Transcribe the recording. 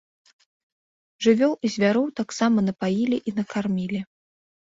Жывёл і звяроў таксама напаілі і накармілі.